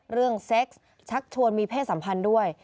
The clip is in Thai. เซ็กซ์ชักชวนมีเพศสัมพันธ์ด้วย